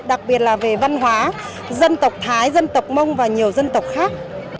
đặc biệt là về văn hóa dân tộc thái dân tộc mông và nhiều dân tộc khác